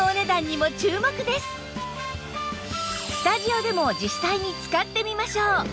さあスタジオでも実際に使ってみましょう